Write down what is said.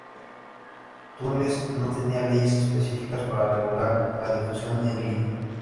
Túnez no tenía leyes específicas para regular la difusión en línea.